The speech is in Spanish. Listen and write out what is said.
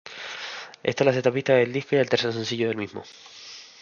Esta es la sexta pista del disco y el tercer sencillo del mismo.